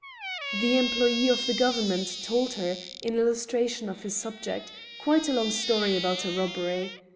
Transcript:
The "employ^ of the government " told her, in illustration of his subject, quite a long story about a robbery.